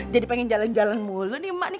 jadi pengen jalan jalan mulu nih emak nih